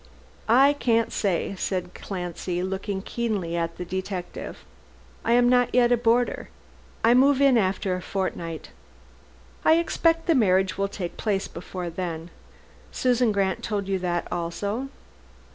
"I can't say," said Clancy, looking keenly at the detective. "I am not yet a boarder. I move in after a fortnight. I expect the marriage will take place before then. Susan Grant told you that also?"